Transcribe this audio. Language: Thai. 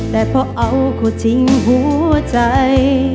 แต่พอเอาเขาทิ้งหัวใจ